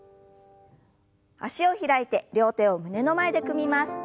脚を開いて両手を胸の前で組みます。